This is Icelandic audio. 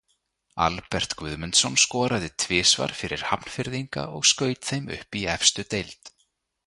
Albert Guðmundsson skoraði tvisvar fyrir Hafnfirðinga og skaut þeim upp í efstu deild.